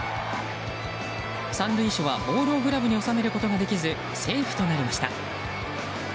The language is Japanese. ３塁手は、ボールをグラブに収めることができずセーフとなりました。